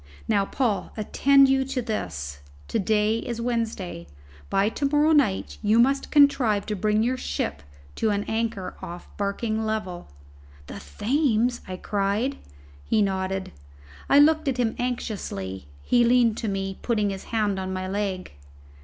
Now, Paul, attend you to this. To day is Wednesday; by to morrow night you must contrive to bring your ship to an anchor off Barking Level." "The Thames!" I cried. He nodded. I looked at him anxiously. He leaned to me, putting his hand on my leg.